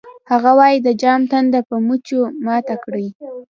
هغه وایی د جام تنده په مچکو ماته کړئ